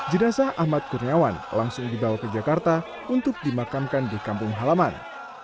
jenazah ahmad kurniawan langsung dibawa ke jakarta untuk dimakamkan di kampung halaman